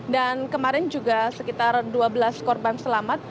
dan kemarin juga sekitar dua belas korban selamat